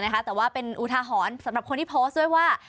แต่ว่าเป็นอุทาหรณ์สำหรับคนที่โพสต์ด้วยว่า